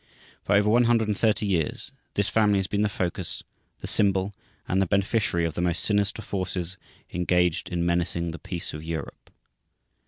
For over 130 years this family has been the focus, the symbol, and the beneficiary of the most sinister forces engaged in menacing the peace of Europe.